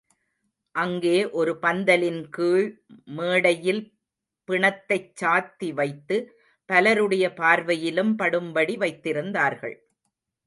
அங்கே ஒரு பந்தலின்கீழ் மேடையில் பிணத்தைச் சாத்தி வைத்து, பலருடைய பார்வையிலும் படும்படி வைத்திருந்தார்கள்.